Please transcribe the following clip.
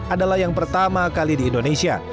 adalah yang pertama kali di indonesia